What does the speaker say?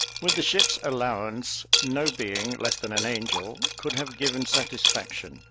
With the ship's allowance, no being, less than an angel, could have given satisfaction.